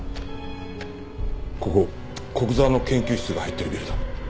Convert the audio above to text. ここ古久沢の研究室が入ってるビルだ。